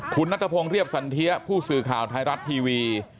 คุณนัทพงศ์เรียบสันเทียผู้สื่อข่าวไทยรัฐทีวี